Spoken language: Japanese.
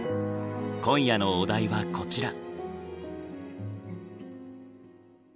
今夜のお題はこちら。